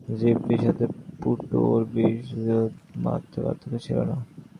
অন্য কোনো বিষয়েই এই রহস্যময় জীবটির সাথে পুটোর বিন্দুমাত্র পার্থক্য ছিল না।